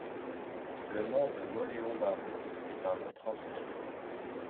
Le nom de Mauléon-Barousse est un nom transféré.